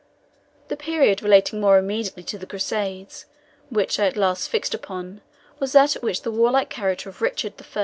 The period relating more immediately to the Crusades which I at last fixed upon was that at which the warlike character of Richard I.